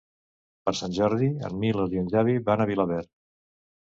Per Sant Jordi en Milos i en Xavi van a Vilaverd.